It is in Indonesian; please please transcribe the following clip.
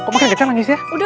kok makin kita nangis ya